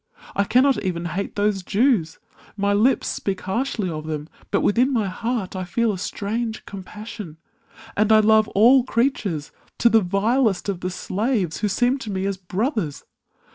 I cannot even hate those Jews; my lips Speak harshly of them, but within my heart I feel a strange compassion ; and I love All creatures, to the vilest of the slaves Who seem to me as brothers!